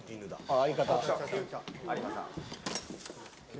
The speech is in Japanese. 相方。